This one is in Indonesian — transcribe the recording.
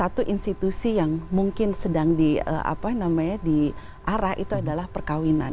satu institusi yang mungkin sedang di apa namanya di arah itu adalah perkawinan